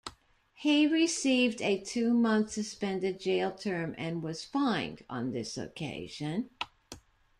He received a two-month suspended jail term and was fined on this occasion.